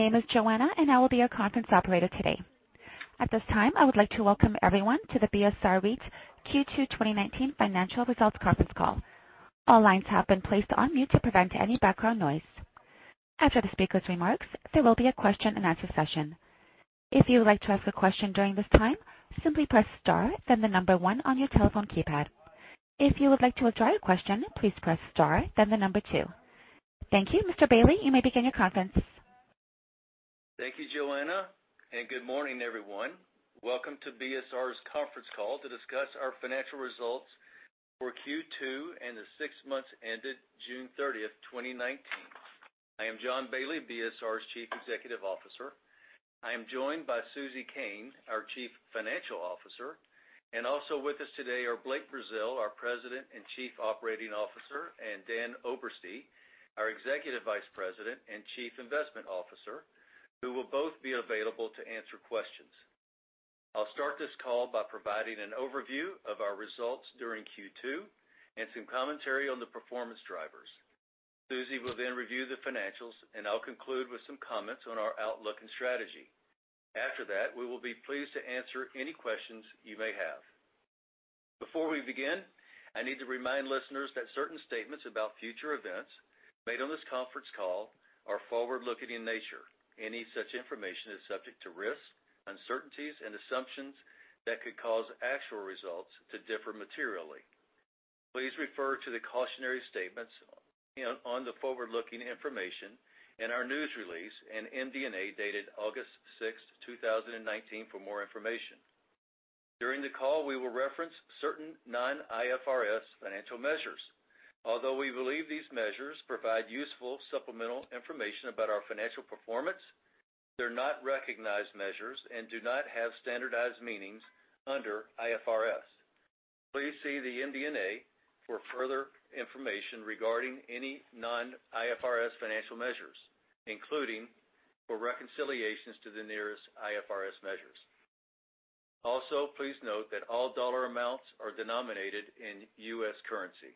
My name is Joanna. I will be your conference operator today. At this time, I would like to welcome everyone to the BSR REIT Q2 2019 financial results conference call. All lines have been placed on mute to prevent any background noise. After the speaker's remarks, there will be a question-and-answer session. If you would like to ask a question during this time, simply press star, then the number 1 on your telephone keypad. If you would like to withdraw your question, please press star, then the number 2. Thank you. Mr. Bailey, you may begin your conference. Thank you, Joanna. Good morning, everyone. Welcome to BSR's conference call to discuss our financial results for Q2 and the six months ended June 30, 2019. I am John Bailey, BSR's Chief Executive Officer. I am joined by Suzie Koehn, our Chief Financial Officer. Also with us today are Blake Brazell, our President and Chief Operating Officer, and Dan Oberste, our Executive Vice President and Chief Investment Officer, who will both be available to answer questions. I'll start this call by providing an overview of our results during Q2 and some commentary on the performance drivers. Suzy will then review the financials. I'll conclude with some comments on our outlook and strategy. After that, we will be pleased to answer any questions you may have. Before we begin, I need to remind listeners that certain statements about future events made on this conference call are forward-looking in nature. Any such information is subject to risks, uncertainties, and assumptions that could cause actual results to differ materially. Please refer to the cautionary statements on the forward-looking information in our news release and MD&A dated August 6, 2019, for more information. During the call, we will reference certain non-IFRS financial measures. Although we believe these measures provide useful supplemental information about our financial performance, they're not recognized measures and do not have standardized meanings under IFRS. Please see the MD&A for further information regarding any non-IFRS financial measures, including for reconciliations to the nearest IFRS measures. Please note that all dollar amounts are denominated in US currency.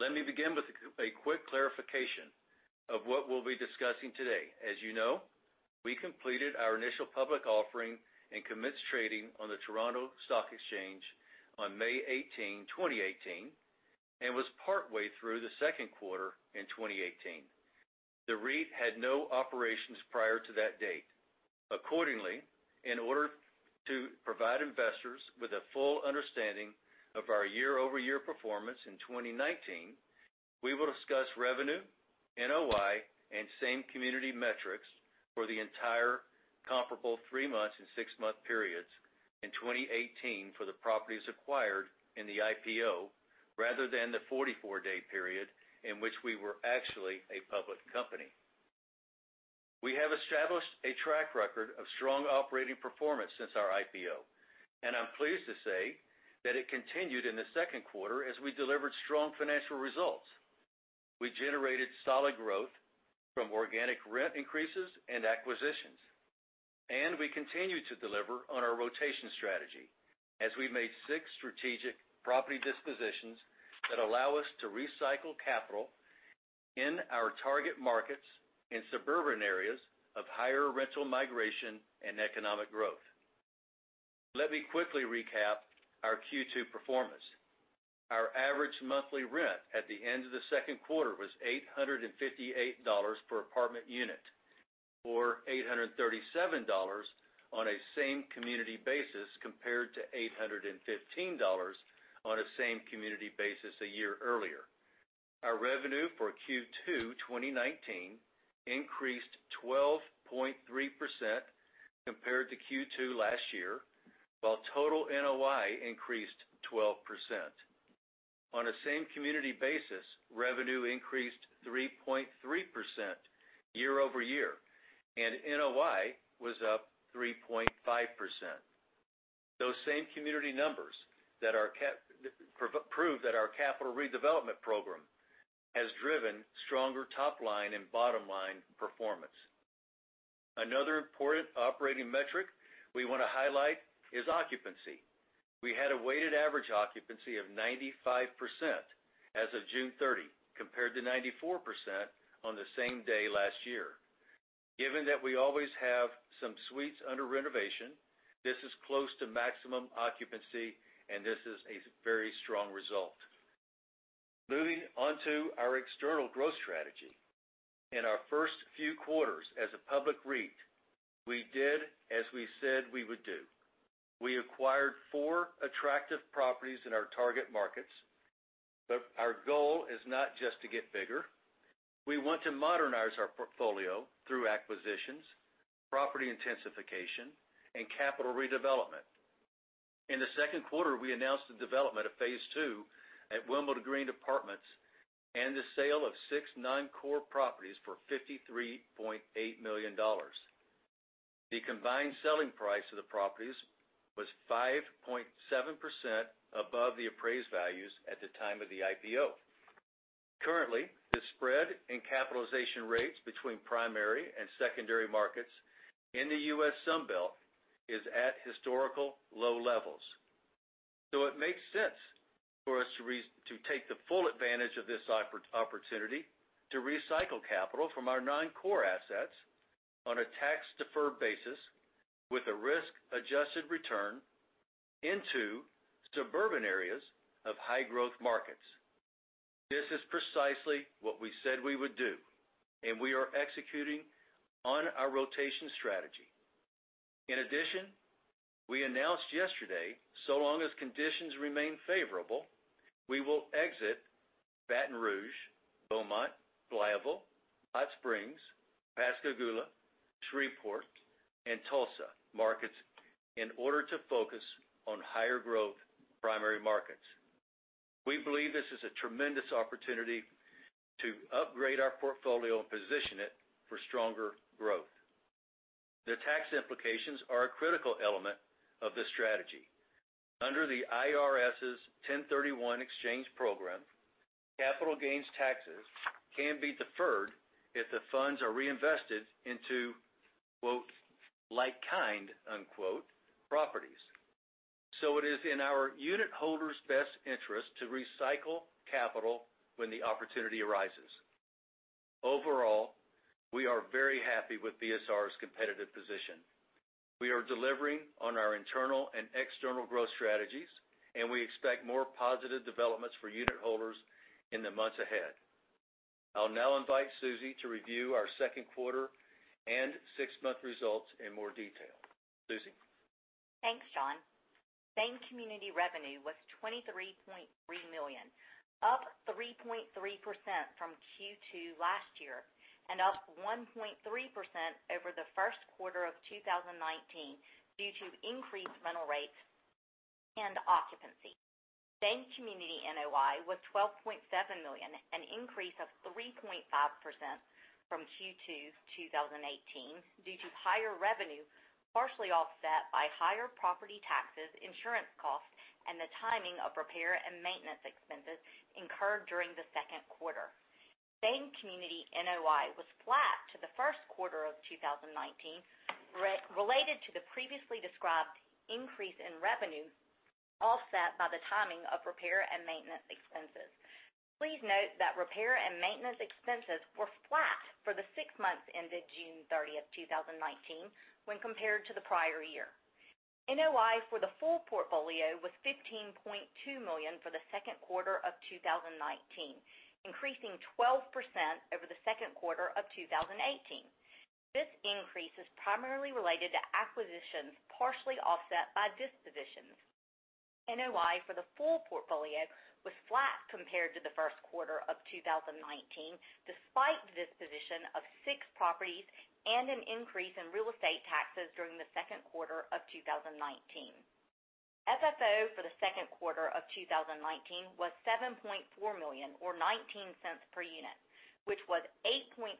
Let me begin with a quick clarification of what we'll be discussing today. As you know, we completed our initial public offering and commenced trading on the Toronto Stock Exchange on May 18, 2018, and was partway through the second quarter in 2018. The REIT had no operations prior to that date. Accordingly, in order to provide investors with a full understanding of our year-over-year performance in 2019, we will discuss revenue, NOI, and same community metrics for the entire comparable three months and six-month periods in 2018 for the properties acquired in the IPO rather than the 44-day period in which we were actually a public company. We have established a track record of strong operating performance since our IPO, and I'm pleased to say that it continued in the second quarter as we delivered strong financial results. We generated solid growth from organic rent increases and acquisitions. We continued to deliver on our rotation strategy as we made six strategic property dispositions that allow us to recycle capital in our target markets in suburban areas of higher rental migration and economic growth. Let me quickly recap our Q2 performance. Our average monthly rent at the end of the second quarter was $858 per apartment unit, or $837 on a same community basis, compared to $815 on a same community basis a year earlier. Our revenue for Q2 2019 increased 12.3% compared to Q2 last year, while total NOI increased 12%. On a same community basis, revenue increased 3.3% year-over-year. NOI was up 3.5%. Those same community numbers prove that our capital redevelopment program has driven stronger top-line and bottom-line performance. Another important operating metric we want to highlight is occupancy. We had a weighted average occupancy of 95% as of June 30, compared to 94% on the same day last year. Given that we always have some suites under renovation, this is close to maximum occupancy, and this is a very strong result. Moving on to our external growth strategy. In our first few quarters as a public REIT, we did as we said we would do. We acquired four attractive properties in our target markets, but our goal is not just to get bigger. We want to modernize our portfolio through acquisitions, property intensification, and capital redevelopment. In the second quarter, we announced the development of phase 2 at Wimbledon Green Apartments and the sale of six non-core properties for $53.8 million. The combined selling price of the properties was 5.7% above the appraised values at the time of the IPO. Currently, the spread in capitalization rates between primary and secondary markets in the U.S. Sun Belt is at historical low levels. It makes sense for us to take the full advantage of this opportunity to recycle capital from our nine core assets on a tax-deferred basis with a risk-adjusted return into suburban areas of high-growth markets. This is precisely what we said we would do, and we are executing on our rotation strategy. In addition, we announced yesterday, so long as conditions remain favorable, we will exit Baton Rouge, Beaumont, Louisville, Hot Springs, Pascagoula, Shreveport, and Tulsa markets in order to focus on higher growth primary markets. We believe this is a tremendous opportunity to upgrade our portfolio and position it for stronger growth. The tax implications are a critical element of this strategy. Under the IRS's 1031 exchange program, capital gains taxes can be deferred if the funds are reinvested into "like-kind" properties. It is in our unit holders' best interest to recycle capital when the opportunity arises. Overall, we are very happy with BSR's competitive position. We are delivering on our internal and external growth strategies, and we expect more positive developments for unit holders in the months ahead. I'll now invite Suzy to review our second quarter and six-month results in more detail. Suzy? Thanks, John. Same-community revenue was $23.3 million, up 3.3% from Q2 last year, and up 1.3% over the first quarter of 2019 due to increased rental rates and occupancy. Same-community NOI was $12.7 million, an increase of 3.5% from Q2 2018 due to higher revenue, partially offset by higher property taxes, insurance costs, and the timing of repair and maintenance expenses incurred during the second quarter. Same-community NOI was flat to the first quarter of 2019, related to the previously described increase in revenue, offset by the timing of repair and maintenance expenses. Please note that repair and maintenance expenses were flat for the six months ended June 30, 2019 when compared to the prior year. NOI for the full portfolio was $15.2 million for the second quarter of 2019, increasing 12% over the second quarter of 2018. This increase is primarily related to acquisitions, partially offset by dispositions. NOI for the full portfolio was flat compared to the first quarter of 2019, despite disposition of six properties and an increase in real estate taxes during the second quarter of 2019. FFO for the second quarter of 2019 was $7.4 million, or $0.19 per unit, which was 8.5%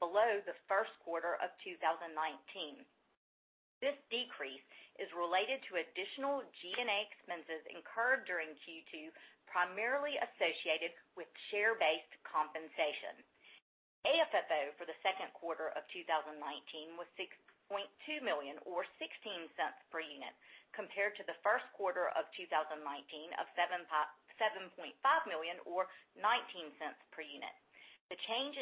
below the first quarter of 2019. This decrease is related to additional G&A expenses incurred during Q2, primarily associated with share-based compensation. AFFO for the second quarter of 2019 was $6.2 million or $0.16 per unit compared to the first quarter of 2019 of $7.5 million or $0.19 per unit. The change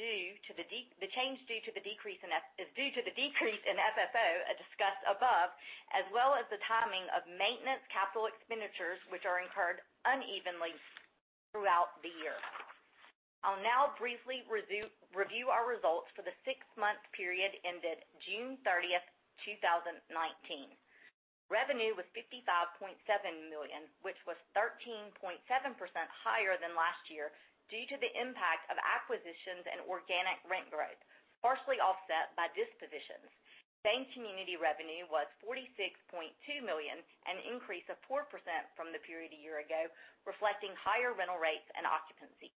due to the decrease in FFO are discussed above, as well as the timing of maintenance capital expenditures, which are incurred unevenly throughout the year. I'll now briefly review our results for the six-month period ended June 30th, 2019. Revenue was $55.7 million, which was 13.7% higher than last year due to the impact of acquisitions and organic rent growth, partially offset by dispositions. Same-community revenue was $46.2 million, an increase of 4% from the period a year ago, reflecting higher rental rates and occupancy.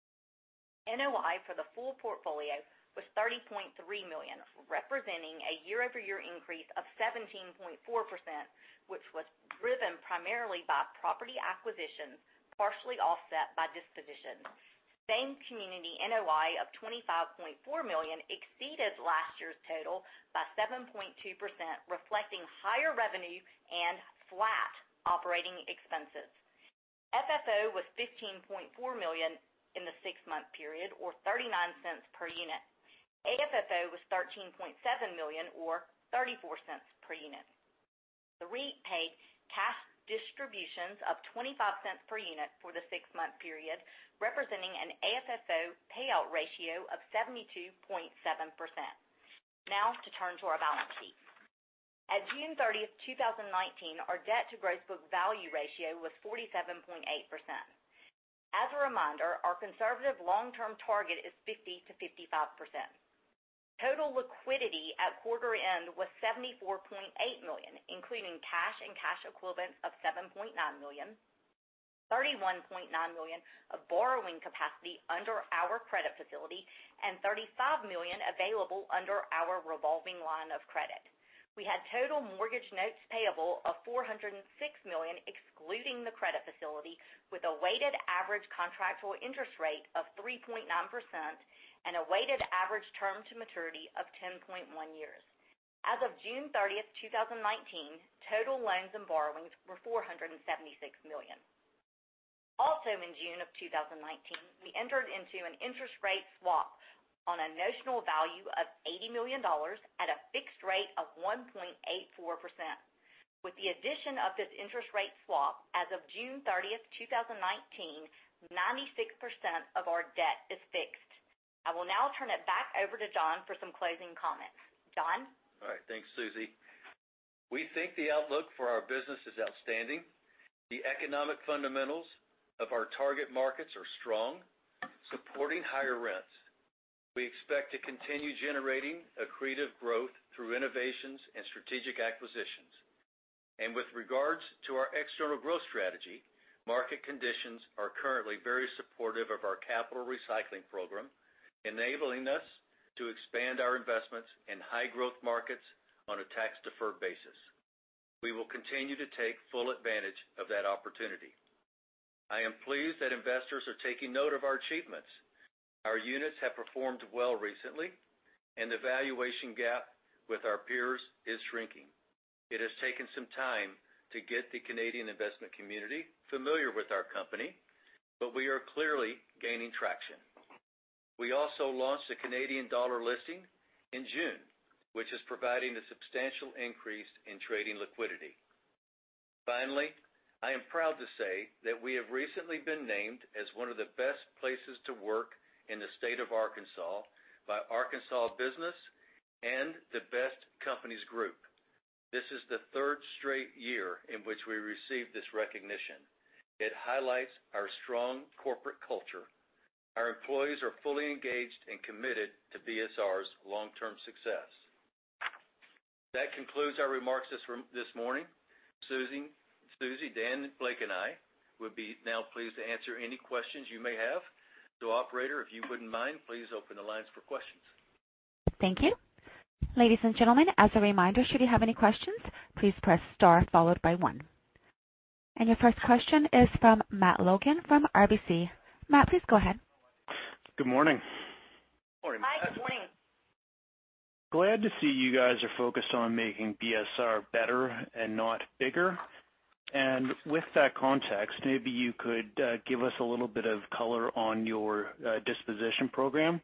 NOI for the full portfolio was $30.3 million, representing a year-over-year increase of 17.4%, which was driven primarily by property acquisitions, partially offset by dispositions. Same-community NOI of $25.4 million exceeded last year's total by 7.2%, reflecting higher revenue and flat operating expenses. FFO was $15.4 million in the six-month period, or $0.39 per unit. AFFO was $13.7 million, or $0.34 per unit. The REIT paid cash distributions of $0.25 per unit for the six-month period, representing an AFFO payout ratio of 72.7%. Now to turn to our balance sheet. At June 30th, 2019, our debt to gross book value ratio was 47.8%. As a reminder, our conservative long-term target is 50%-55%. Total liquidity at quarter end was $74.8 million, including cash and cash equivalents of $7.9 million, $31.9 million of borrowing capacity under our credit facility, and $35 million available under our revolving line of credit. We had total mortgage notes payable of $406 million, excluding the credit facility, with a weighted average contractual interest rate of 3.9% and a weighted average term to maturity of 10.1 years. As of June 30th, 2019, total loans and borrowings were $476 million. In June of 2019, we entered into an interest rate swap on a notional value of $80 million at a fixed rate of 1.84%. With the addition of this interest rate swap, as of June 30th, 2019, 96% of our debt is fixed. I will now turn it back over to John for some closing comments. John? All right. Thanks, Suzy. We think the outlook for our business is outstanding. The economic fundamentals of our target markets are strong, supporting higher rents. We expect to continue generating accretive growth through innovations and strategic acquisitions. With regards to our external growth strategy, market conditions are currently very supportive of our capital recycling program, enabling us to expand our investments in high growth markets on a tax-deferred basis. We will continue to take full advantage of that opportunity. I am pleased that investors are taking note of our achievements. Our units have performed well recently, and the valuation gap with our peers is shrinking. It has taken some time to get the Canadian investment community familiar with our company, but we are clearly gaining traction. We also launched a Canadian dollar listing in June, which is providing a substantial increase in trading liquidity. Finally, I am proud to say that we have recently been named as one of the Best Places to Work in the state of Arkansas by Arkansas Business and the Best Companies Group. This is the third straight year in which we received this recognition. It highlights our strong corporate culture. Our employees are fully engaged and committed to BSR's long-term success. That concludes our remarks this morning. Suzy, Dan, Blake, and I would be now pleased to answer any questions you may have. Operator, if you wouldn't mind, please open the lines for questions. Thank you. Ladies and gentlemen, as a reminder, should you have any questions, please press star followed by one. Your first question is from Matthew Logan from RBC. Matt, please go ahead. Good morning. Morning, Matt. Hi, good morning. Glad to see you guys are focused on making BSR better and not bigger. With that context, maybe you could give us a little bit of color on your disposition program.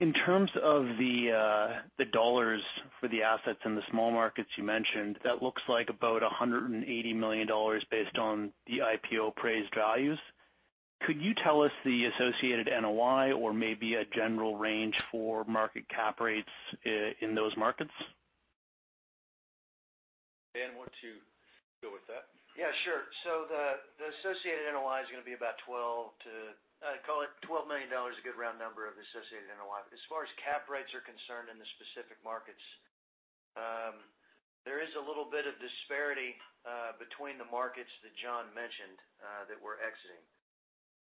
In terms of the dollars for the assets in the small markets you mentioned, that looks like about $180 million based on the IPO appraised values. Could you tell us the associated NOI or maybe a general range for market cap rates in those markets? Dan, why don't you go with that? Yeah, sure. The associated NOI is going to be about 12 to call it $12 million is a good round number of associated NOI. As far as cap rates are concerned in the specific markets, there is a little bit of disparity between the markets that John mentioned that we're exiting.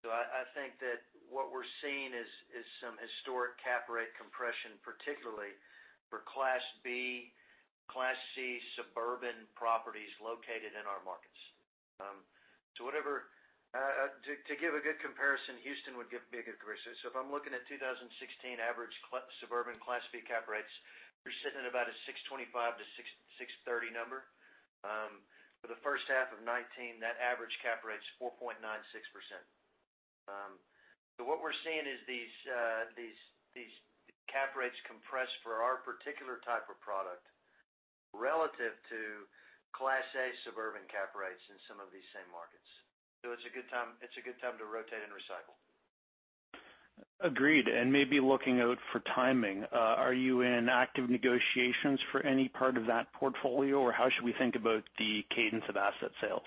I think that what we're seeing is some historic cap rate compression, particularly for Class B, Class C suburban properties located in our markets. To give a good comparison, Houston would be a good comparison. If I'm looking at 2016 average suburban Class B cap rates, we're sitting at about a 6.25 to 6.30 number. For the first half of 2019, that average cap rate's 4.96%. What we're seeing is these cap rates compress for our particular type of product relative to Class A suburban cap rates in some of these same markets. It's a good time to rotate and recycle. Agreed, maybe looking out for timing. Are you in active negotiations for any part of that portfolio, or how should we think about the cadence of asset sales?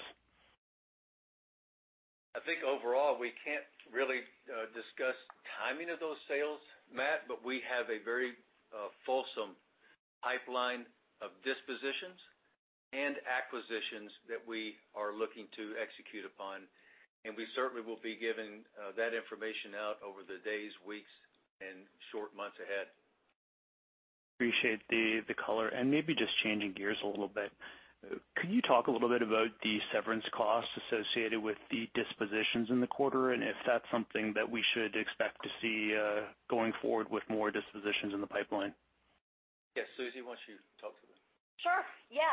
I think overall, we can't really discuss timing of those sales, Matt, but we have a very fulsome pipeline of dispositions and acquisitions that we are looking to execute upon, and we certainly will be giving that information out over the days, weeks, and short months ahead. Appreciate the color. Maybe just changing gears a little bit, could you talk a little bit about the severance costs associated with the dispositions in the quarter, and if that's something that we should expect to see going forward with more dispositions in the pipeline? Yeah. Suzy, why don't you talk to that? Sure. Yeah.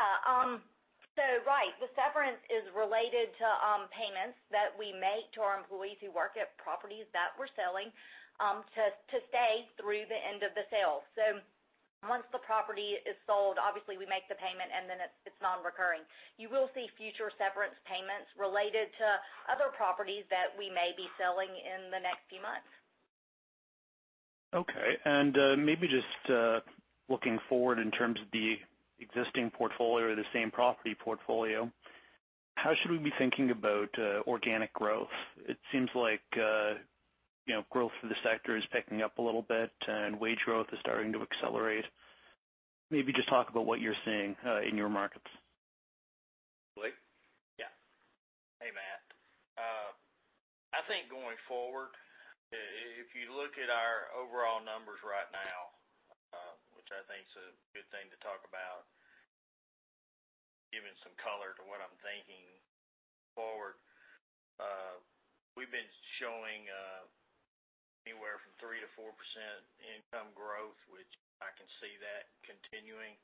Right, the severance is related to payments that we make to our employees who work at properties that we're selling, to stay through the end of the sale. Once the property is sold, obviously we make the payment, and then it's non-recurring. You will see future severance payments related to other properties that we may be selling in the next few months. Maybe just looking forward in terms of the existing portfolio or the same property portfolio, how should we be thinking about organic growth? It seems like growth for the sector is picking up a little bit, and wage growth is starting to accelerate. Maybe just talk about what you're seeing in your markets. Blake? Yeah. Hey, Matt. I think going forward, if you look at our overall numbers right now, which I think is a good thing to talk about, giving some color to what I'm thinking forward. We've been showing anywhere from 3%-4% income growth, which I can see that continuing.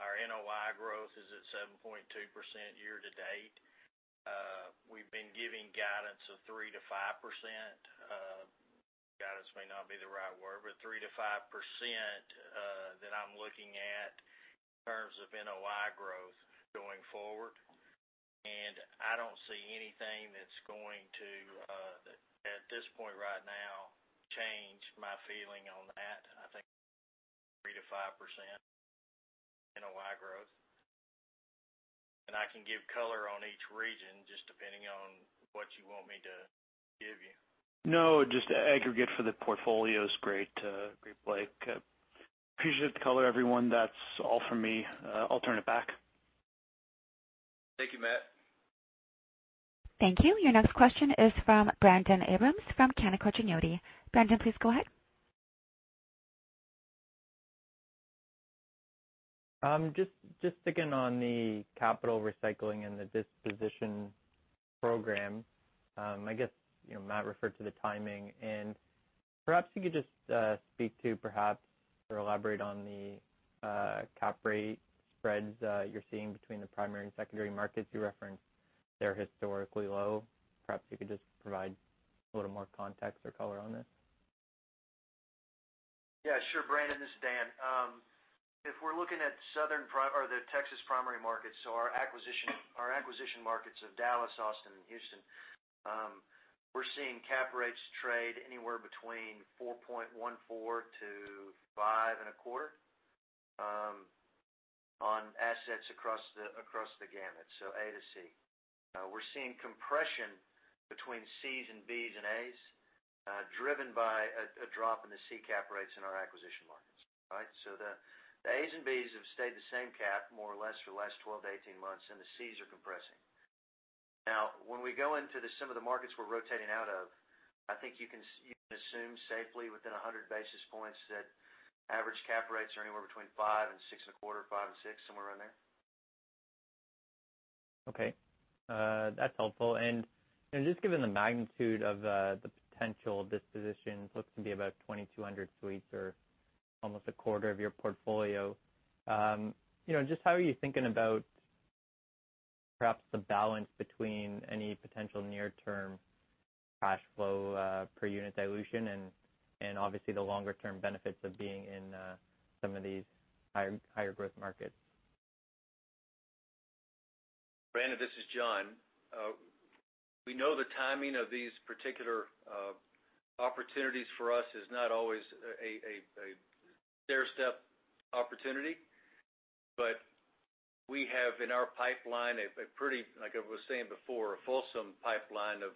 Our NOI growth is at 7.2% year-to-date. We've been giving guidance of 3%-5%. Guidance may not be the right word, 3%-5% that I'm looking at in terms of NOI growth going forward. I don't see anything that's going to, at this point right now, change my feeling on that. I think 3%-5% NOI growth. I can give color on each region, just depending on what you want me to give you. No, just aggregate for the portfolio is great, Blake. Appreciate the color, everyone. That's all from me. I'll turn it back. Thank you, Matt. Thank you. Your next question is from Brendon Abrams from Canaccord Genuity. Brendon, please go ahead. Just sticking on the capital recycling and the disposition program, I guess Matt referred to the timing, and perhaps you could just speak to perhaps or elaborate on the cap rate spreads that you're seeing between the primary and secondary markets you referenced that are historically low. Perhaps you could just provide a little more context or color on this. Yeah, sure, Brendon, this is Dan. If we're looking at the Texas primary market, so our acquisition markets of Dallas, Austin, and Houston, we're seeing cap rates trade anywhere between 4.14 to five and a quarter on assets across the gamut, so A to C. We're seeing compression between Cs and Bs and As, driven by a drop in the C cap rates in our acquisition markets. The As and Bs have stayed the same cap, more or less, for the last 12 to 18 months, and the Cs are compressing. When we go into some of the markets we're rotating out of, I think you can assume safely within 100 basis points that average cap rates are anywhere between five and six and a quarter, five and six, somewhere around there. Okay. That's helpful. Just given the magnitude of the potential disposition, looks to be about 2,200 suites or almost a quarter of your portfolio. Just how are you thinking about perhaps the balance between any potential near-term cash flow per unit dilution and obviously the longer-term benefits of being in some of these higher growth markets? Brendon, this is John. We know the timing of these particular opportunities for us is not always a stairstep opportunity, but we have in our pipeline a pretty, like I was saying before, a fulsome pipeline of,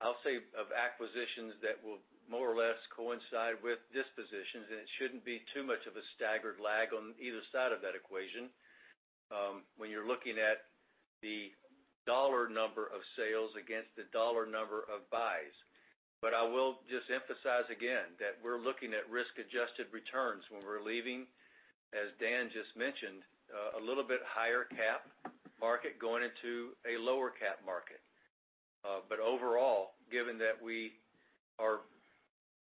I'll say, of acquisitions that will more or less coincide with dispositions, and it shouldn't be too much of a staggered lag on either side of that equation, when you're looking at the dollar number of sales against the dollar number of buys. I will just emphasize again that we're looking at risk-adjusted returns when we're leaving, as Dan just mentioned, a little bit higher cap market going into a lower cap market. Overall, given that we are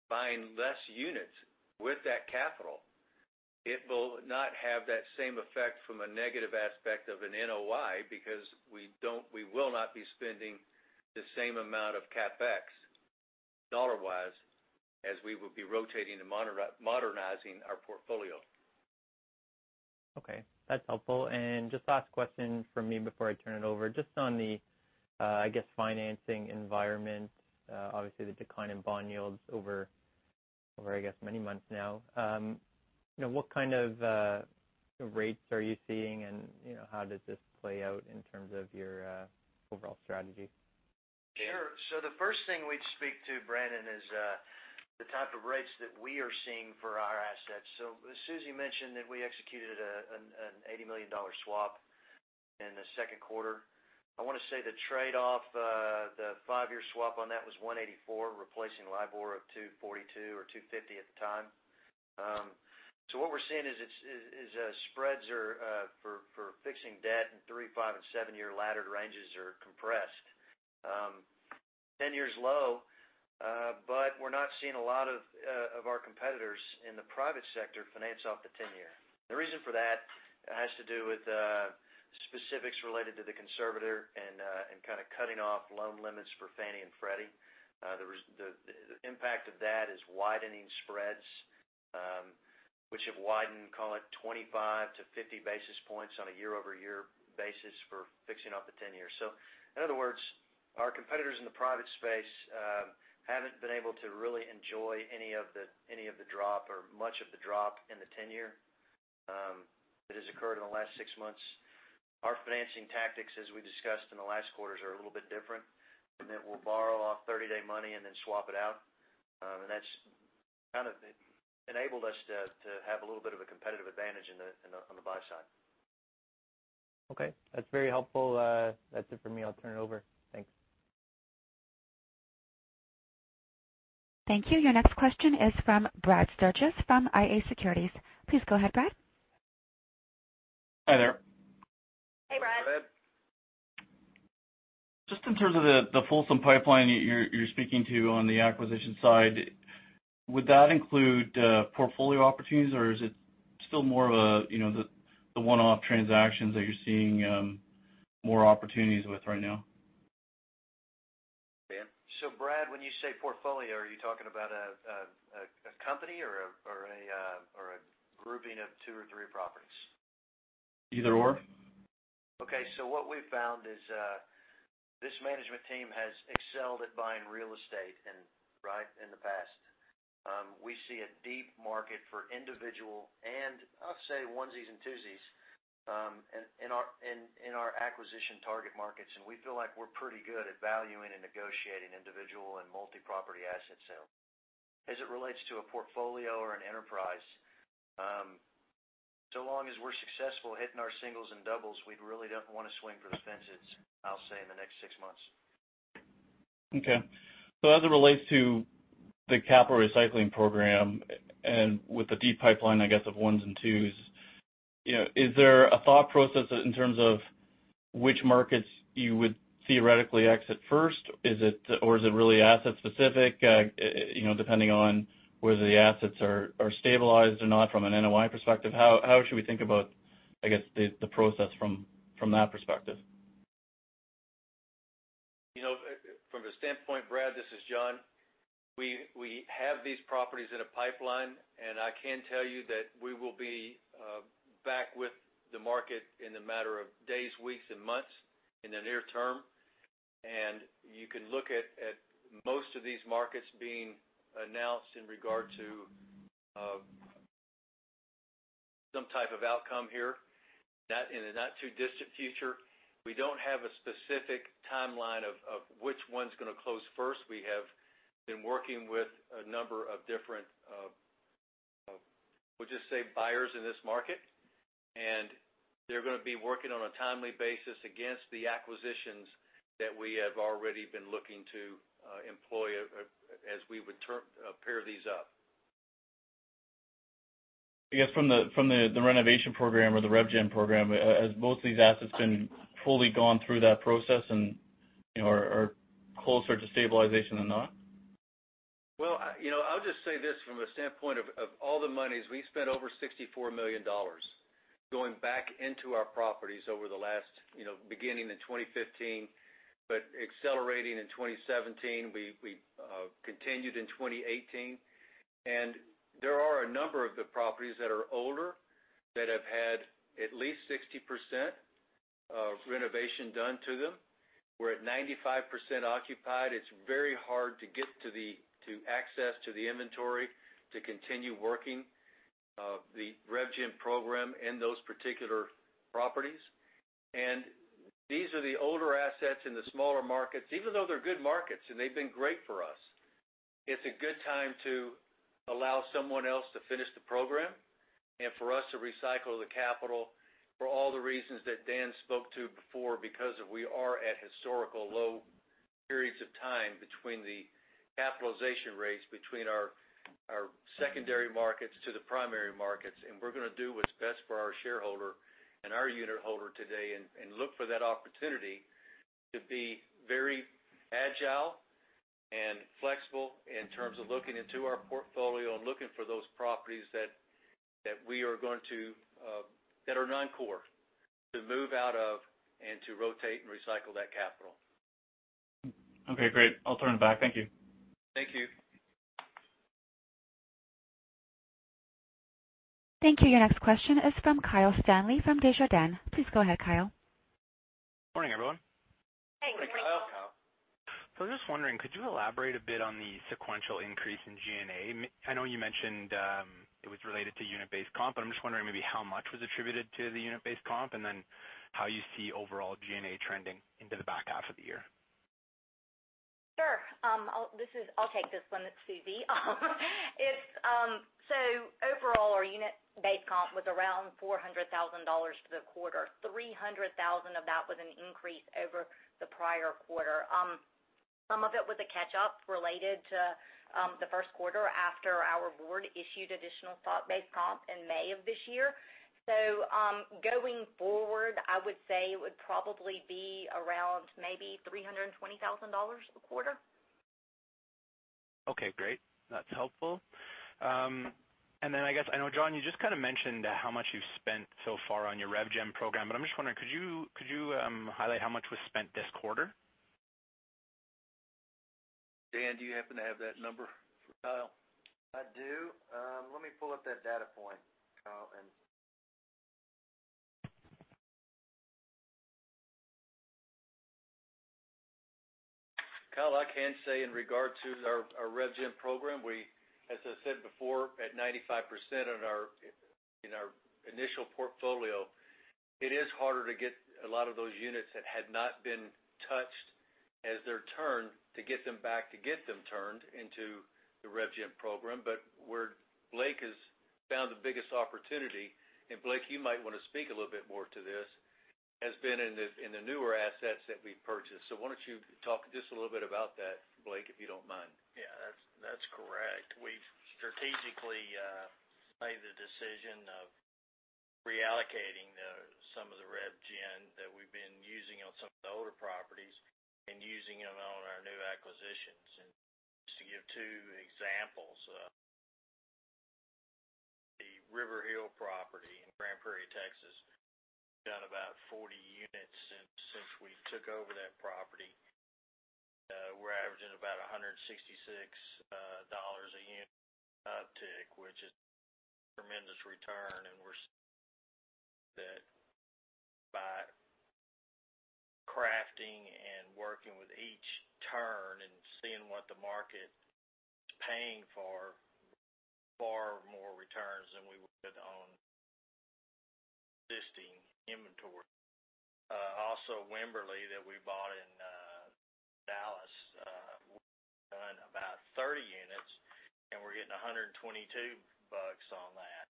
buying less units with that capital, it will not have that same effect from a negative aspect of an NOI because we will not be spending the same amount of CapEx, dollar-wise, as we would be rotating and modernizing our portfolio. Okay, that's helpful. Just last question from me before I turn it over. Just on the, I guess, financing environment, obviously the decline in bond yields over, I guess, many months now. What kind of rates are you seeing, and how does this play out in terms of your overall strategy? Sure. The first thing we'd speak to, Brendon, is the type of rates that we are seeing for our assets. Susan mentioned that we executed an $80 million swap in the second quarter. I want to say the trade-off, the five-year swap on that was 184, replacing LIBOR of 242 or 250 at the time. What we're seeing is spreads are, for fixing debt in three-, five- and seven-year laddered ranges, are compressed. Ten-year's low, but we're not seeing a lot of our competitors in the private sector finance off the 10-year. The reason for that has to do with specifics related to the conservator and kind of cutting off loan limits for Fannie Mae and Freddie Mac. The impact of that is widening spreads, which have widened, call it 25 to 50 basis points on a year-over-year basis for fixing up the 10-year. In other words, our competitors in the private space haven't been able to really enjoy any of the drop or much of the drop in the 10-year that has occurred in the last six months. Our financing tactics, as we discussed in the last quarters, are a little bit different, in that we'll borrow off 30-day money and then swap it out. That's kind of enabled us to have a little bit of a competitive advantage on the buy side. Okay. That's very helpful. That's it for me. I'll turn it over. Thanks. Thank you. Your next question is from Brad Sturges from IA Securities. Please go ahead, Brad. Hi there. Just in terms of the fulsome pipeline you're speaking to on the acquisition side, would that include portfolio opportunities, or is it still more of the one-off transactions that you're seeing more opportunities with right now? Dan? Brad, when you say portfolio, are you talking about a company or a grouping of two or three properties? Either or. Okay. What we've found is this management team has excelled at buying real estate in the past. We see a deep market for individual, and I'll say onesies and twosies, in our acquisition target markets, and we feel like we're pretty good at valuing and negotiating individual and multi-property asset sales. As it relates to a portfolio or an enterprise, so long as we're successful hitting our singles and doubles, we really don't want to swing for the fences, I'll say, in the next six months. Okay. As it relates to the capital recycling program and with the deep pipeline, I guess, of ones and twos, is there a thought process in terms of which markets you would theoretically exit first? Or is it really asset specific, depending on whether the assets are stabilized or not from an NOI perspective? How should we think about, I guess, the process from that perspective? From the standpoint, Brad, this is John. We have these properties in a pipeline. I can tell you that we will be back with the market in a matter of days, weeks, and months in the near term. You can look at most of these markets being announced in regard to some type of outcome here in the not-too-distant future. We don't have a specific timeline of which one's going to close first. We have been working with a number of different, we'll just say, buyers in this market, and they're going to be working on a timely basis against the acquisitions that we have already been looking to employ as we would pair these up. I guess from the renovation program or the RevGen program, has both these assets been fully gone through that process and are closer to stabilization or not? Well, I'll just say this from a standpoint of all the monies. We spent over $64 million going back into our properties beginning in 2015, but accelerating in 2017. We continued in 2018. There are a number of the properties that are older that have had at least 60% of renovation done to them. We're at 95% occupied. It's very hard to get access to the inventory to continue working the RevGen program in those particular properties. These are the older assets in the smaller markets. Even though they're good markets and they've been great for us, it's a good time to allow someone else to finish the program and for us to recycle the capital for all the reasons that Dan spoke to before, because we are at historical low periods of time between the capitalization rates between our secondary markets to the primary markets. We're going to do what's best for our shareholder and our unitholder today and look for that opportunity to be very agile and flexible in terms of looking into our portfolio and looking for those properties that are non-core to move out of and to rotate and recycle that capital. Okay, great. I'll turn it back. Thank you. Thank you. Thank you. Your next question is from Kyle Stanley from Desjardins. Please go ahead, Kyle. Morning, everyone. Hey, Kyle. Good morning, Kyle. I'm just wondering, could you elaborate a bit on the sequential increase in G&A? I know you mentioned it was related to unit-based comp, but I'm just wondering maybe how much was attributed to the unit-based comp, and then how you see overall G&A trending into the back half of the year. Sure. I'll take this one. It's Suzie. Overall, our unit-based comp was around $400,000 for the quarter, $300,000 of that was an increase over the prior quarter. Some of it was a catch-up related to the first quarter after our Board issued additional stock-based comp in May of this year. Going forward, I would say it would probably be around maybe $320,000 a quarter. Okay, great. That's helpful. Then I guess, I know, John, you just kind of mentioned how much you've spent so far on your RevGen program, I'm just wondering, could you highlight how much was spent this quarter? Dan, do you happen to have that number for Kyle? I do. Let me pull up that data point, Kyle. Kyle, I can say in regard to our RevGen program, as I said before, at 95% in our initial portfolio, it is harder to get a lot of those units that had not been touched as they're turned to get them back, to get them turned into the RevGen program. Where Blake has found the biggest opportunity, and Blake, you might want to speak a little bit more to this, has been in the newer assets that we've purchased. Why don't you talk just a little bit about that, Blake, if you don't mind? Yeah, that's correct. We've strategically made the decision of. Reallocating some of the RevGen that we've been using on some of the older properties and using them on our new acquisitions. Just to give two examples, the Riverhill property in Grand Prairie, Texas, got about 40 units, and since we took over that property, we're averaging about $166 a unit uptick, which is tremendous return, and we're seeing that by crafting and working with each turn and seeing what the market is paying for, far more returns than we would on existing inventory. Wimberly, that we bought in Dallas, we've done about 30 units, and we're getting $122 on that.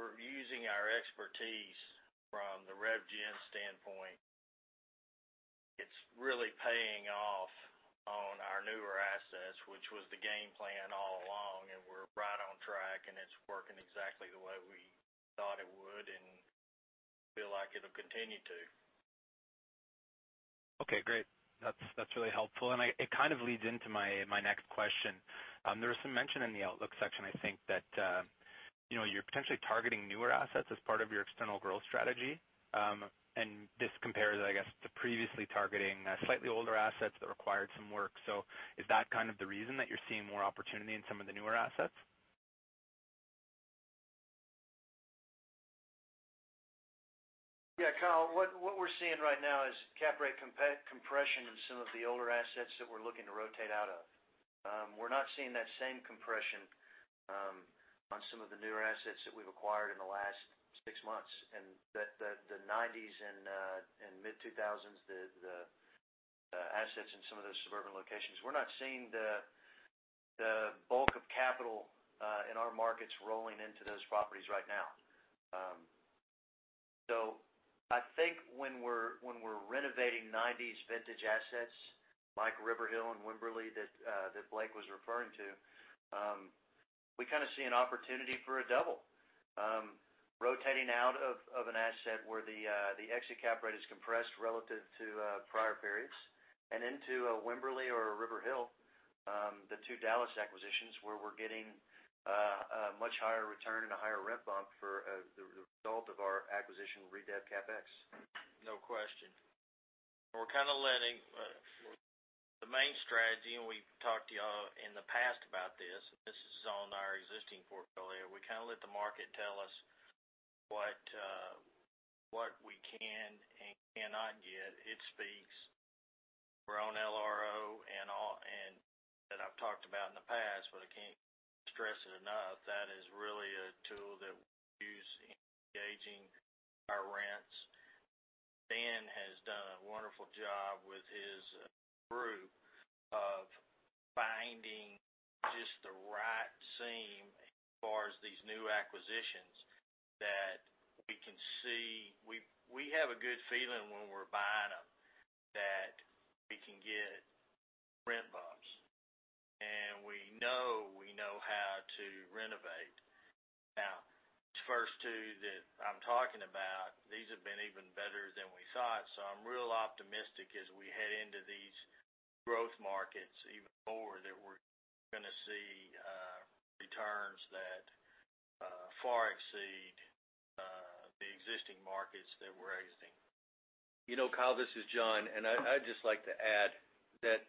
We're using our expertise from the RevGen standpoint. It's really paying off on our newer assets, which was the game plan all along, and we're right on track, and it's working exactly the way we thought it would and feel like it'll continue to. Okay, great. That's really helpful, and it kind of leads into my next question. There was some mention in the outlook section, I think, that you're potentially targeting newer assets as part of your external growth strategy. This compares, I guess, to previously targeting slightly older assets that required some work. Is that kind of the reason that you're seeing more opportunity in some of the newer assets? Yeah, Kyle, what we're seeing right now is cap rate compression in some of the older assets that we're looking to rotate out of. We're not seeing that same compression on some of the newer assets that we've acquired in the last six months, and the 90s and mid-2000s, the assets in some of those suburban locations. We're not seeing the bulk of capital in our markets rolling into those properties right now. I think when we're renovating 90s vintage assets like Riverhill and Wimberly that Blake was referring to, we kind of see an opportunity for a double. Rotating out of an asset where the exit cap rate is compressed relative to prior periods and into a Wimberly or a Riverhill, the two Dallas acquisitions, where we're getting a much higher return and a higher rent bump for the result of our acquisition re-deb CapEx. No question. We're kind of letting the main strategy, and we've talked to you all in the past about this is on our existing portfolio. We kind of let the market tell us what we can and cannot get. It speaks. We're on LRO, and that I've talked about in the past, but I can't stress it enough, that is really a tool that we use in gauging our rents. Dan has done a wonderful job with his group of finding just the right seam as far as these new acquisitions that we can see. We have a good feeling when we're buying them, that we can get rent bumps. We know how to renovate. These first two that I'm talking about, these have been even better than we thought. I'm real optimistic as we head into these growth markets even more, that we're gonna see returns that far exceed the existing markets that we're exiting. Kyle, this is John. I'd just like to add that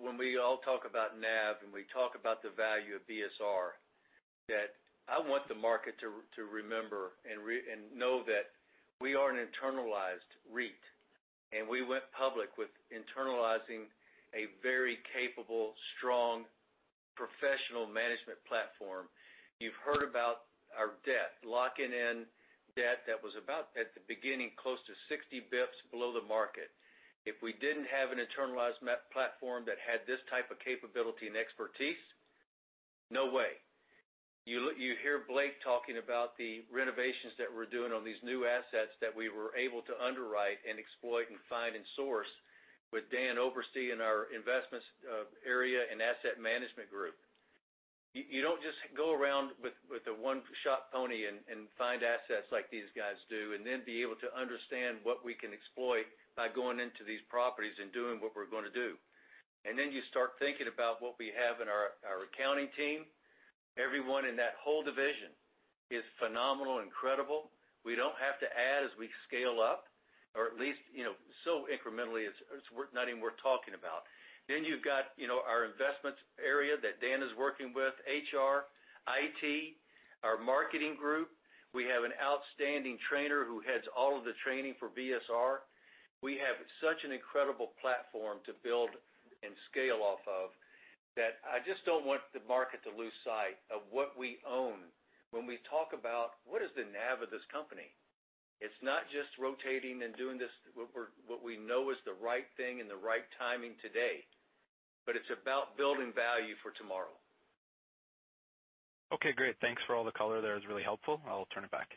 when we all talk about NAV and we talk about the value of BSR, that I want the market to remember and know that we are an internalized REIT. We went public with internalizing a very capable, strong, professional management platform. You've heard about our debt, locking in debt that was about, at the beginning, close to 60 basis points below the market. If we didn't have an internalized platform that had this type of capability and expertise, no way. You hear Blake talking about the renovations that we're doing on these new assets that we were able to underwrite and exploit and find and source with Dan overseeing our investments area and asset management group. You don't just go around with a one-shop pony and find assets like these guys do and then be able to understand what we can exploit by going into these properties and doing what we're gonna do. You start thinking about what we have in our accounting team. Everyone in that whole division is phenomenal, incredible. We don't have to add as we scale up, or at least so incrementally it's nothing worth talking about. You've got our investments area that Dan is working with, HR, IT, our marketing group. We have an outstanding trainer who heads all of the training for BSR. We have such an incredible platform to build and scale off of that I just don't want the market to lose sight of what we own when we talk about what is the NAV of this company. It's not just rotating and doing just what we know is the right thing and the right timing today, but it's about building value for tomorrow. Okay, great. Thanks for all the color there. It was really helpful. I'll turn it back.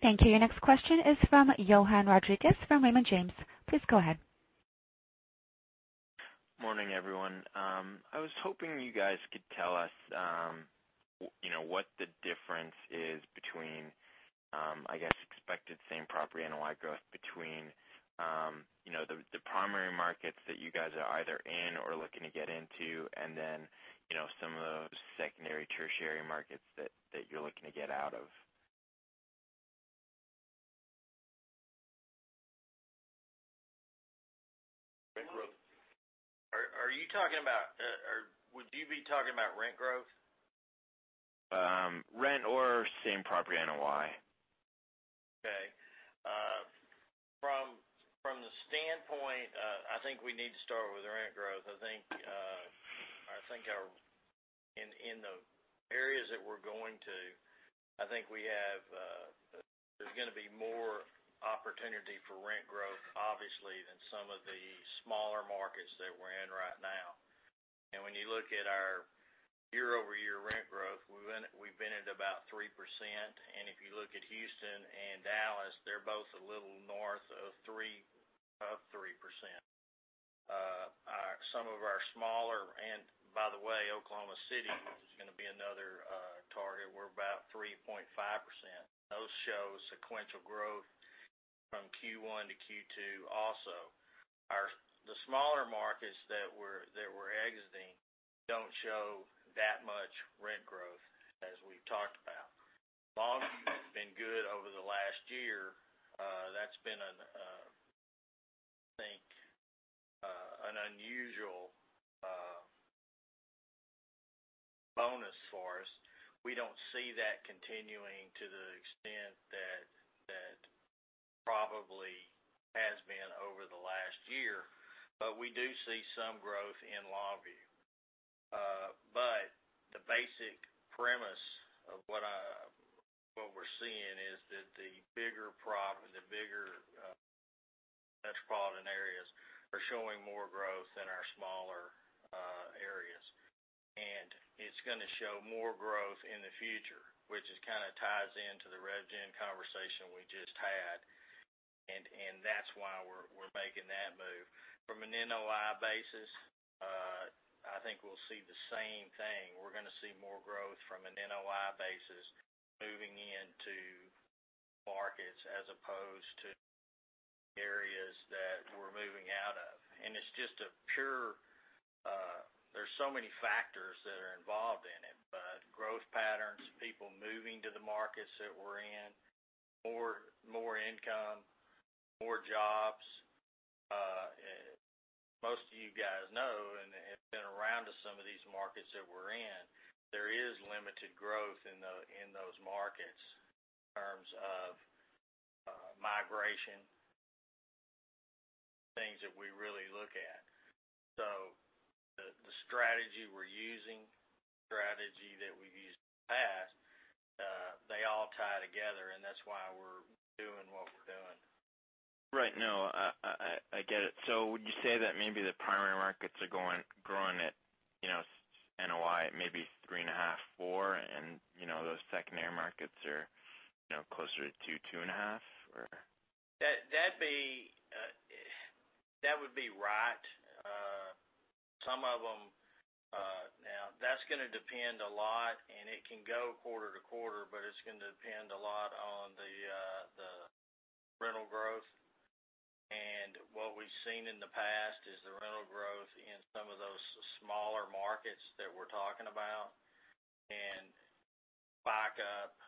Thank you. Your next question is from Johann Rodriguez from Raymond James. Please go ahead. Morning, everyone. I was hoping you guys could tell us what the difference is between, I guess, expected same property NOI growth between the primary markets that you guys are either in or looking to get into, and then some of those secondary, tertiary markets that you're looking to get out of? Rent growth. Would you be talking about rent growth? Rent or same property NOI. Okay. From the standpoint, I think we need to start with rent growth. I think in the areas that we're going to, there's gonna be more opportunity for rent growth, obviously, than some of the smaller markets that we're in right now. When you look at our year-over-year rent growth, we've been at about 3%. If you look at Houston and Dallas, they're both a little north of 3%. Some of our smaller, and by the way, Oklahoma City is gonna be another target. We're about 3.5%. Those show sequential growth from Q1 to Q2 also. The smaller markets that we are exiting don't show that much rent growth as we've talked about. Longview has been good over the last year. That's been, I think, an unusual bonus for us. We don't see that continuing to the extent that probably has been over the last year. We do see some growth in Longview. The basic premise of what we're seeing is that the bigger metropolitan areas are showing more growth than our smaller areas. It's gonna show more growth in the future, which kind of ties into the RevGen conversation we just had, and that's why we're making that move. From an NOI basis, I think we'll see the same thing. We're gonna see more growth from an NOI basis moving into markets as opposed to areas that we're moving out of. There's so many factors that are involved in it, but growth patterns, people moving to the markets that we're in, more income, more jobs. Most of you guys know, and have been around to some of these markets that we're in, there is limited growth in those markets in terms of migration, things that we really look at. The strategy we're using, the strategy that we've used in the past, they all tie together. That's why we're doing what we're doing. Right. No, I get it. Would you say that maybe the primary markets are growing at NOI at maybe 3.5%, 4%, and those secondary markets are closer to 2%, 2.5%, or? That would be right. Some of them Now, that's gonna depend a lot, and it can go quarter to quarter, but it's gonna depend a lot on the rental growth. What we've seen in the past is the rental growth in some of those smaller markets that we're talking about can spike up,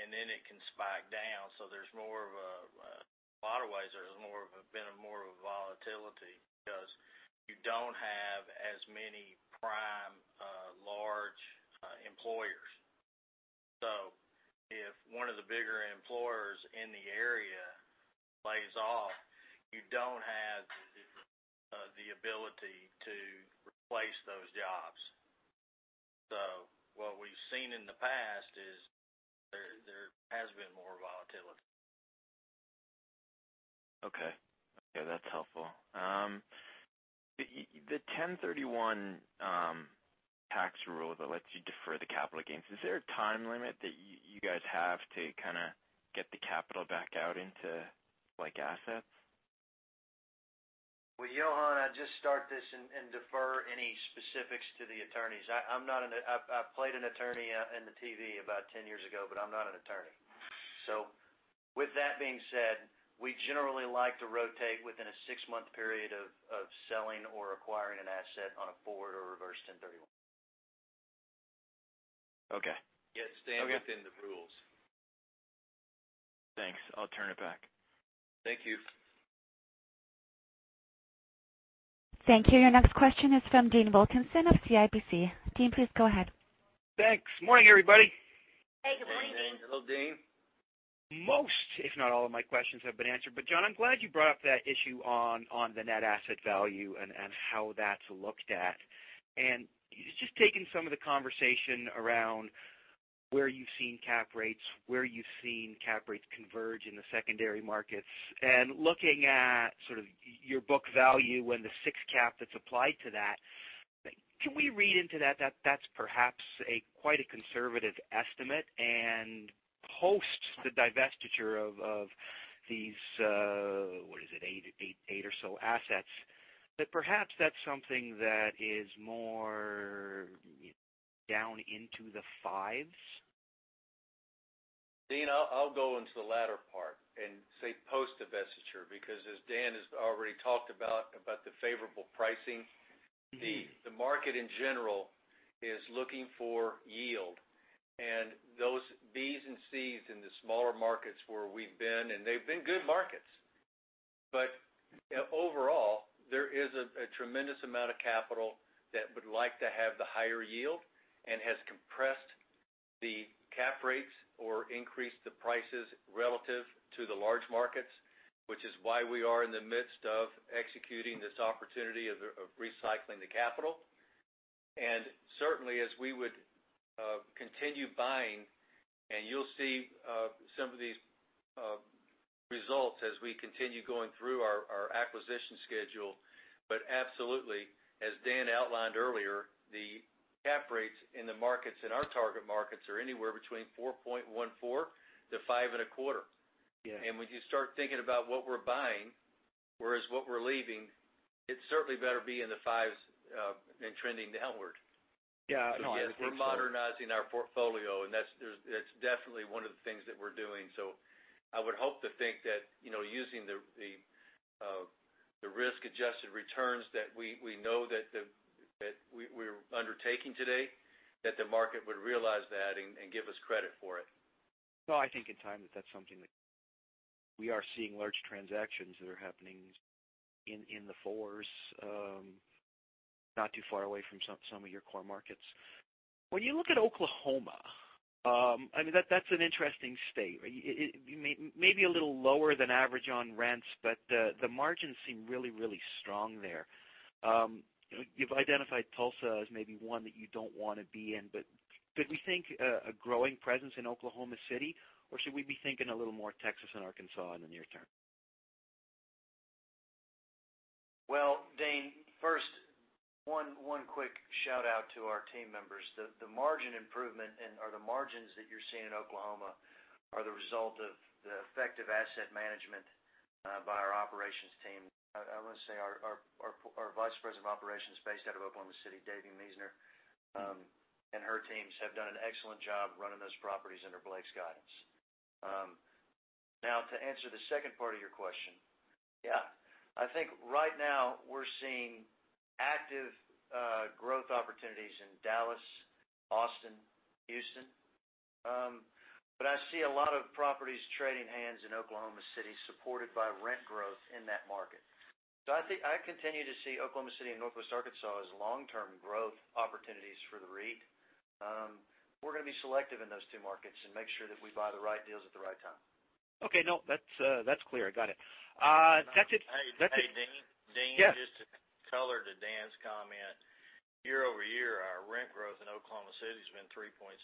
and then it can spike down. There's more of a lot of ways, there's been more of a volatility because you don't have as many prime large employers. If one of the bigger employers in the area lays off, you don't have the ability to replace those jobs. What we've seen in the past is there has been more volatility. Okay. Yeah, that's helpful. The 1031 tax rule that lets you defer the capital gains, is there a time limit that you guys have to kind of get the capital back out into assets? Johann, I'd just start this and defer any specifics to the attorneys. I played an attorney in the TV about 10 years ago, but I'm not an attorney. With that being said, we generally like to rotate within a six-month period of selling or acquiring an asset on a forward or reverse 1031. Okay. Yeah, staying within the rules. Thanks. I'll turn it back. Thank you. Thank you. Your next question is from Dean Wilkinson of CIBC. Dean, please go ahead. Thanks. Morning, everybody. Hey, good morning. Hey. Hello, Dean. Most, if not all of my questions have been answered. John, I'm glad you brought up that issue on the net asset value and how that's looked at. Just taking some of the conversation around where you've seen cap rates, where you've seen cap rates converge in the secondary markets, and looking at sort of your book value and the 6 cap that's applied to that, can we read into that's perhaps quite a conservative estimate, and post the divestiture of these, what is it, 8 or so assets, that perhaps that's something that is more down into the fives? Dean, I'll go into the latter part and say post-divestiture, because as Dan has already talked about the favorable pricing. The market, in general, is looking for yield, and those Bs and Cs in the smaller markets where we've been, and they've been good markets. Overall, there is a tremendous amount of capital that would like to have the higher yield and has compressed the cap rates or increased the prices relative to the large markets, which is why we are in the midst of executing this opportunity of recycling the capital. Certainly, as we would continue buying, and you'll see some of these results as we continue going through our acquisition schedule. Absolutely, as Dan outlined earlier, the cap rates in the markets, in our target markets, are anywhere between 4.14%-5.25%. Yeah. When you start thinking about what we're buying, whereas what we're leaving, it certainly better be in the fives and trending downward. Yeah, no, I think so. As we're modernizing our portfolio, and that's definitely one of the things that we're doing. I would hope to think that using the risk-adjusted returns that we know that we're undertaking today, that the market would realize that and give us credit for it. No, I think in time that that's something that we are seeing large transactions that are happening in the fours, not too far away from some of your core markets. When you look at Oklahoma, that's an interesting state. Maybe a little lower than average on rents, but the margins seem really, really strong there. You've identified Tulsa as maybe one that you don't want to be in, but could we think a growing presence in Oklahoma City, or should we be thinking a little more Texas and Arkansas in the near term? Dean, first, one quick shout-out to our team members. The margin improvement and/or the margins that you're seeing in Oklahoma are the result of the effective asset management by our Operations team. I want to say our Vice President of Operations based out of Oklahoma City, Davi Miesner, and her teams have done an excellent job running those properties under Blake's guidance. To answer the second part of your question, yeah. I think right now we're seeing active growth opportunities in Dallas, Austin, Houston. I see a lot of properties trading hands in Oklahoma City supported by rent growth in that market. I continue to see Oklahoma City and Northwest Arkansas as long-term growth opportunities for the REIT. We're going to be selective in those two markets and make sure that we buy the right deals at the right time. Okay. No, that's clear. I got it. That's it. Hey, Dean? Yes. Just to color to Dan's comment. Year-over-year, our rent growth in Oklahoma City has been 3.6%.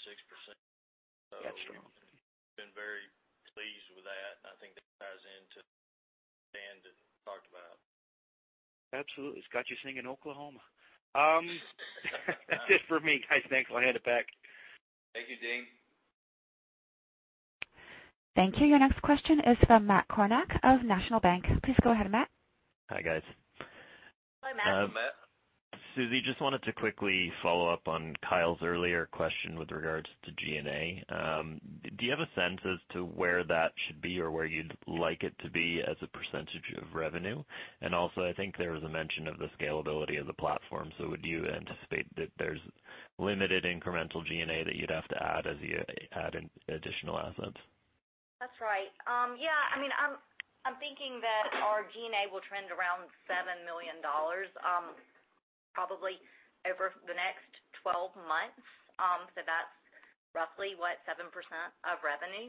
Got you. We've been very pleased with that, and I think that ties into what Dan had talked about. Absolutely. It's got you singing Oklahoma. That's it for me, guys, thanks. I'll hand it back. Thank you, Dean. Thank you. Your next question is from Matt Kornack of National Bank. Please go ahead, Matt. Hi, guys. Hi, Matt. Hi, Matt. Suzie, just wanted to quickly follow up on Kyle's earlier question with regards to G&A. Do you have a sense as to where that should be or where you'd like it to be as a percentage of revenue? Also, I think there was a mention of the scalability of the platform. Would you anticipate that there's limited incremental G&A that you'd have to add as you add in additional assets? That's right. Yeah. I'm thinking that our G&A will trend around $7 million, probably over the next 12 months. That's roughly what, 7% of revenue.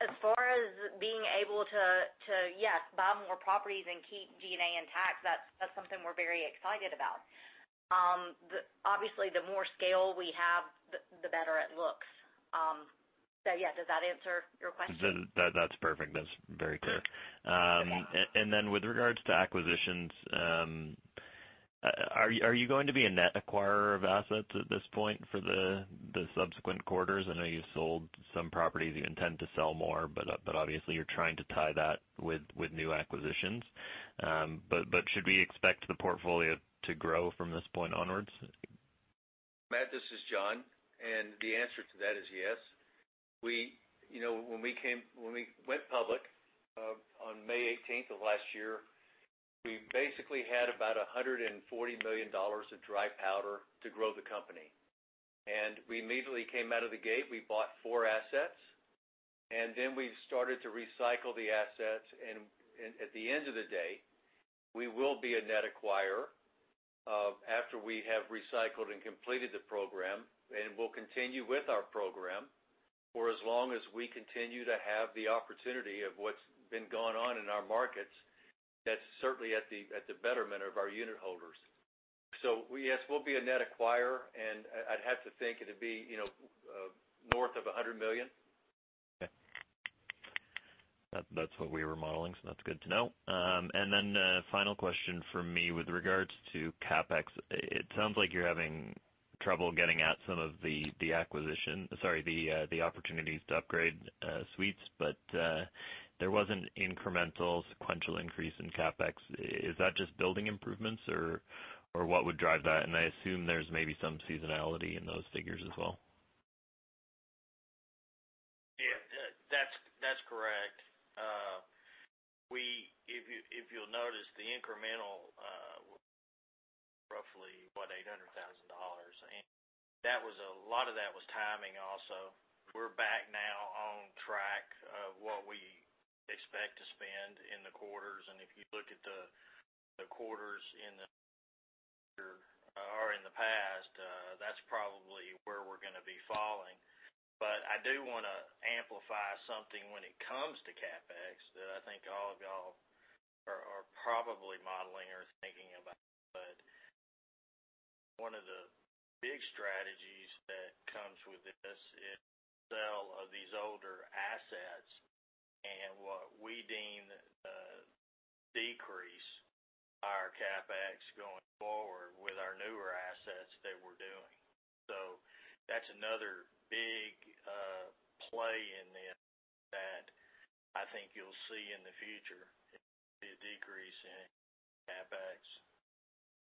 As far as being able to, yes, buy more properties and keep G&A intact, that's something we're very excited about. Obviously, the more scale we have, the better it looks. Yeah, does that answer your question? That's perfect. That's very clear. Yeah. With regards to acquisitions, are you going to be a net acquirer of assets at this point for the subsequent quarters? I know you sold some properties, you intend to sell more, but obviously, you're trying to tie that with new acquisitions. Should we expect the portfolio to grow from this point onwards? Matt, this is John, and the answer to that is yes. When we went public on May 18th of last year, we basically had about $140 million of dry powder to grow the company. We immediately came out of the gate, we bought four assets, and then we started to recycle the assets. At the end of the day, we will be a net acquirer after we have recycled and completed the program, and we'll continue with our program for as long as we continue to have the opportunity of what's been going on in our markets. That's certainly at the betterment of our unit holders. Yes, we'll be a net acquirer, and I'd have to think it'd be north of $100 million. Okay. That's what we were modeling, so that's good to know. Final question from me with regards to CapEx. It sounds like you're having trouble getting at some of the Sorry, the opportunities to upgrade suites, but there was an incremental sequential increase in CapEx. Is that just building improvements or what would drive that? I assume there's maybe some seasonality in those figures as well. Yeah. That's correct. If you'll notice, the incremental roughly, what, $800,000. A lot of that was timing also. We're back now on track of what we expect to spend in the quarters, and if you look at the quarters in the past, that's probably where we're going to be falling. I do want to amplify something when it comes to CapEx that I think all of you all are probably modeling or thinking about. One of the big strategies that comes with this is sell these older assets, and what we deem decrease our CapEx going forward with our newer assets that we're doing. That's another big play in this that I think you'll see in the future, the decrease in CapEx.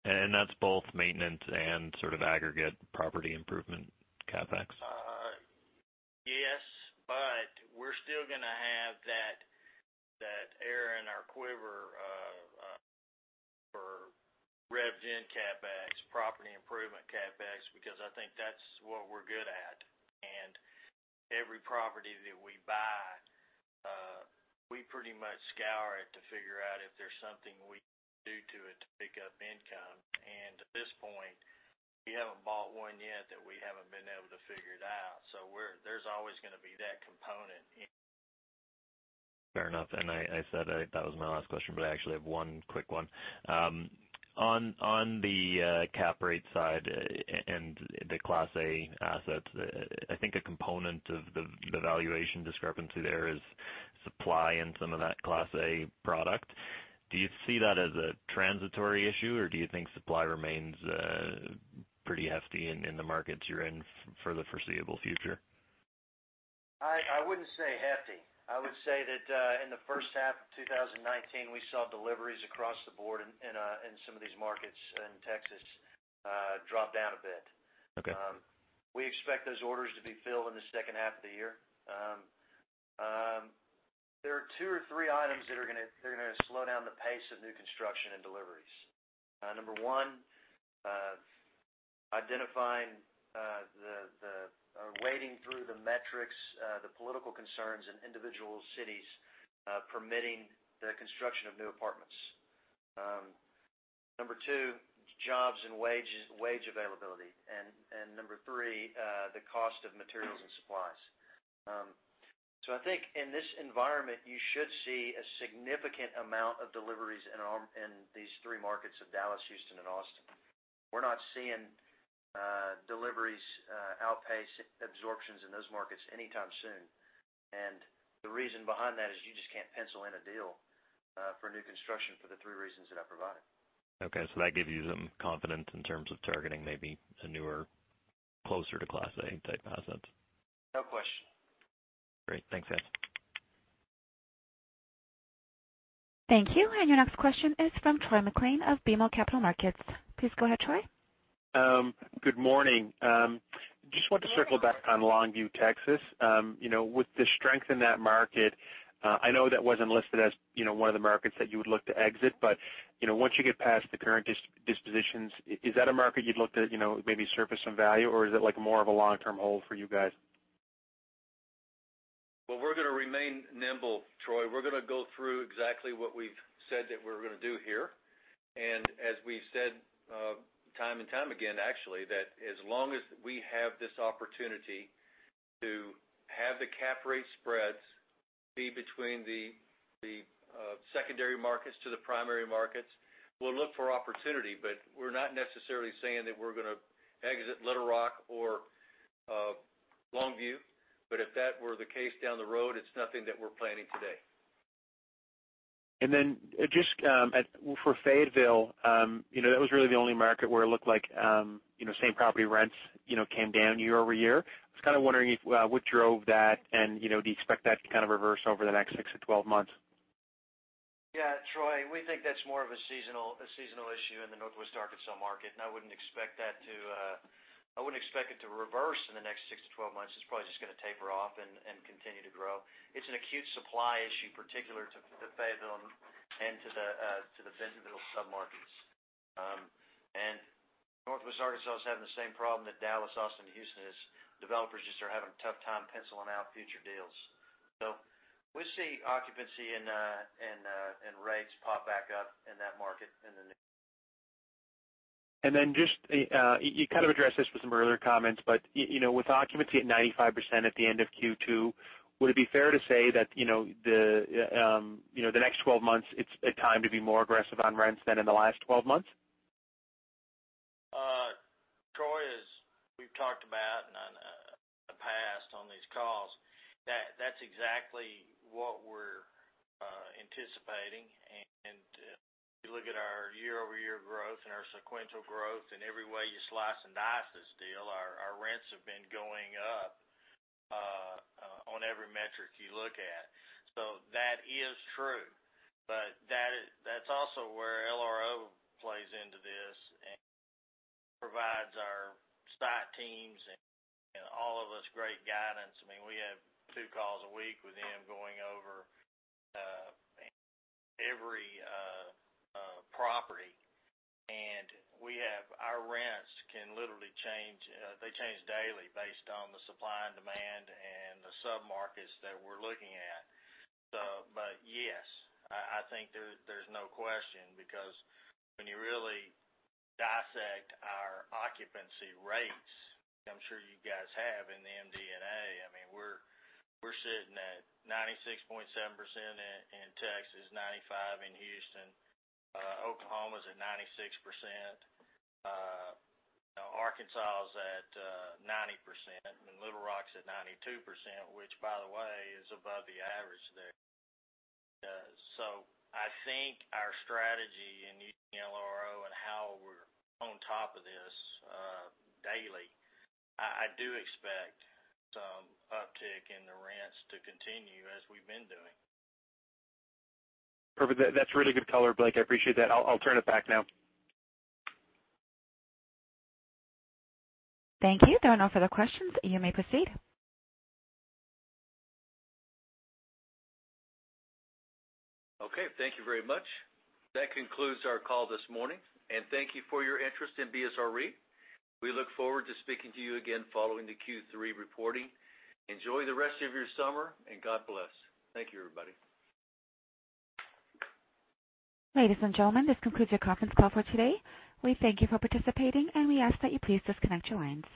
That's both maintenance and sort of aggregate property improvement CapEx? Yes, we're still gonna have that arrow in our quiver for RevGen CapEx, property improvement CapEx, because I think that's what we're good at. Every property that we buy, we pretty much scour it to figure out if there's something we can do to it to pick up income. At this point, we haven't bought one yet that we haven't been able to figure it out. There's always gonna be that component in. Fair enough. I said that was my last question, but I actually have one quick one. On the cap rate side and the Class A assets, I think a component of the valuation discrepancy there is supply in some of that Class A product. Do you see that as a transitory issue, or do you think supply remains pretty hefty in the markets you're in for the foreseeable future? I wouldn't say hefty. I would say that in the first half of 2019, we saw deliveries across the board in some of these markets in Texas drop down a bit. Okay. We expect those orders to be filled in the second half of the year. There are two or three items that are gonna slow down the pace of new construction and deliveries. Number one, identifying or wading through the metrics, the political concerns in individual cities permitting the construction of new apartments. Number two, jobs and wage availability. Number three, the cost of materials and supplies. I think in this environment, you should see a significant amount of deliveries in these three markets of Dallas, Houston and Austin. We're not seeing deliveries outpace absorptions in those markets anytime soon. The reason behind that is you just can't pencil in a deal for new construction for the three reasons that I provided. Okay, that gives you some confidence in terms of targeting maybe a newer, closer to Class A-type assets. No question. Great. Thanks, Blake. Thank you. Your next question is from Troy MacLean of BMO Capital Markets. Please go ahead, Troy. Good morning. Just wanted to circle back on Longview, Texas. With the strength in that market, I know that wasn't listed as one of the markets that you would look to exit, but once you get past the current dispositions, is that a market you'd look to maybe surface some value, or is it more of a long-term hold for you guys? Well, we're gonna remain nimble, Troy. We're gonna go through exactly what we've said that we're gonna do here. As we've said time and time again, actually, that as long as we have this opportunity to have the cap rate spreads be between the secondary markets to the primary markets, we'll look for opportunity. We're not necessarily saying that we're gonna exit Little Rock or Longview. If that were the case down the road, it's nothing that we're planning today. Just for Fayetteville, that was really the only market where it looked like same property rents came down year-over-year. I was kind of wondering what drove that, and do you expect that to kind of reverse over the next 6-12 months? Troy, we think that's more of a seasonal issue in the Northwest Arkansas market, and I wouldn't expect it to reverse in the next 6 to 12 months. It's probably just gonna taper off and continue to grow. It's an acute supply issue particular to Fayetteville and to the Bentonville submarkets. Northwest Arkansas is having the same problem that Dallas, Austin, and Houston is. Developers just are having a tough time penciling out future deals. We see occupancy and rates pop back up in that market in the near. Just, you kind of addressed this with some earlier comments, but with occupancy at 95% at the end of Q2, would it be fair to say that the next 12 months, it's a time to be more aggressive on rents than in the last 12 months? The past on these calls. That's exactly what we're anticipating, and if you look at our year-over-year growth and our sequential growth and every way you slice and dice this deal, our rents have been going up on every metric you look at. That is true. That's also where LRO plays into this and provides our site teams and all of us great guidance. We have two calls a week with them going over every property. Our rents can literally change. They change daily based on the supply and demand and the sub-markets that we're looking at. Yes, I think there's no question because when you really dissect our occupancy rates, I'm sure you guys have in the MD&A, we're sitting at 96.7% in Texas, 95% in Houston. Oklahoma's at 96%. Arkansas is at 90%, and Little Rock's at 92%, which by the way, is above the average there. I think our strategy in using LRO and how we're on top of this daily, I do expect some uptick in the rents to continue as we've been doing. Perfect. That's really good color, Blake. I appreciate that. I'll turn it back now. Thank you. There are no further questions. You may proceed. Okay. Thank you very much. That concludes our call this morning, and thank you for your interest in BSR REIT. We look forward to speaking to you again following the Q3 reporting. Enjoy the rest of your summer, and God bless. Thank you, everybody. Ladies and gentlemen, this concludes your conference call for today. We thank you for participating, and we ask that you please disconnect your lines.